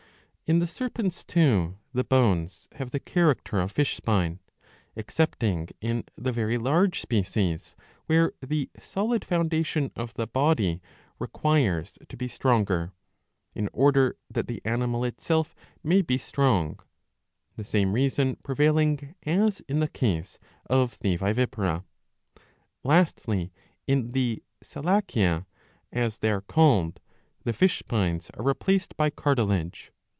In the Serpents too the bones have the character of fish spine, excepting in the very large species,''' where the solid foundation of the body requires to be stronger, in order that the animal itself may be strong, the same reason prevailing as in the case of the Vivipara, Lastly in the Selachia, as they are called, the fish spines are replaced by cartilage.